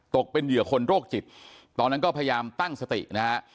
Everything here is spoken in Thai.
เป็นเหยื่อคนโรคจิตตอนนั้นก็พยายามตั้งสตินะฮะ